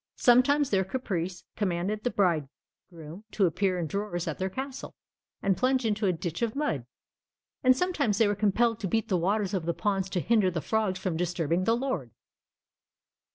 Sometimes their caprice commanded the bridegroom to appear in drawers at their castle, and plunge into a ditch of mud; and sometimes they were compelled to beat the waters of the ponds to hinder the frogs from disturbing the lord!